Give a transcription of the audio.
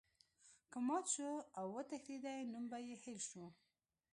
که مات شو او وتښتیدی نوم به یې هیر شو.